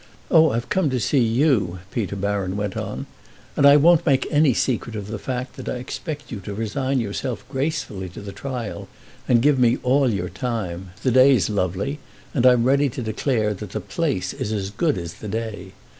Oh, I've come to see you," Peter Baron went on, "and I won't make any secret of the fact that I expect you to resign yourself gracefully to the trial and give me all your time. The day's lovely, and I'm ready to declare that the place is as good as the day.